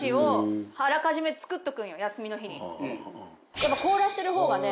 やっぱ凍らせてる方がね